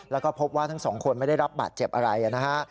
แล้วก็พบว่าทั้งสองคนไม่ได้รับบาดเจ็บอะไรนะฮะ